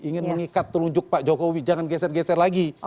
ingin mengikat telunjuk pak jokowi jangan geser geser lagi